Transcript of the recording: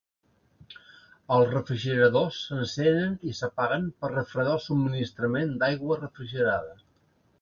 Els refrigeradors s'encenen i s'apaguen per refredar el subministrament d'aigua refrigerada.